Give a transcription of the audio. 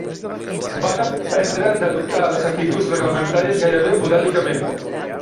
Van aprendre d'adoptar les actituds reglamentàries gairebé modèlicament